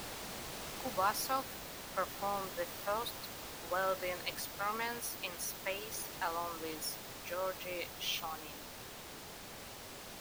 Kubasov performed the first welding experiments in space, along with Georgy Shonin.